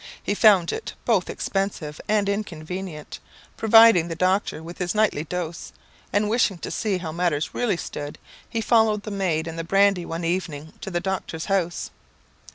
He found it both expensive and inconvenient, providing the doctor with his nightly dose; and wishing to see how matters really stood, he followed the maid and the brandy one evening to the doctor's house.